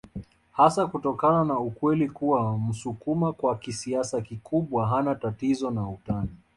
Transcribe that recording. Hasa kutokana na ukweli kuwa msukuma kwa kiasi kikubwa hana tatizo na utani